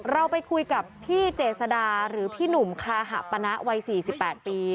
เราไปคุยกับพี่เจษดาหรือพี่หนุ่มคาหะปณะวัย๔๘ปี